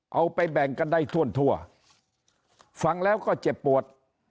แบ่งกันได้ทั่วฟังแล้วก็เจ็บปวด